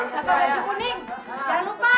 kalau baju kuning jangan lupa